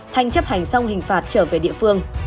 thanh chấp hành xong hình phạt trở về địa phương